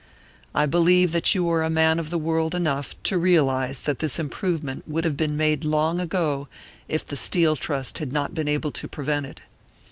I believe that you are man of the world enough to realise that this improvement would have been made long ago, if the Steel Trust had not been able to prevent it.